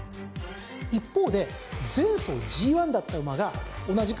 一方で前走ＧⅠだった馬が同じく３０頭中８頭。